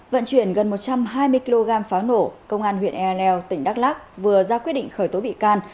vận chuyển gần một trăm hai mươi kg pháo nổ công an huyện e leo tỉnh đắk lắc vừa ra quyết định khởi tố bị can